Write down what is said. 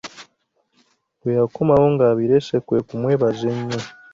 Bwe yakomawo ng'abireese, kwe kumwebaza ennyo.